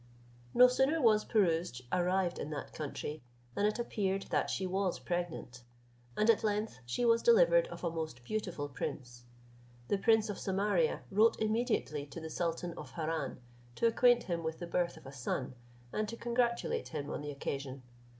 No sooner was Pirouzč arrived in that country, than it appeared that she was pregnant, and at length she was delivered of a most beautiful prince. The prince of Samaria wrote immediately to the sultan of Harran, to acquaint him with the birth of a son, and to congratulate him on the occasion.